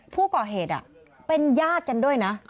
ผู้ก่อเหตุเป็นญาติกันด้วยนะ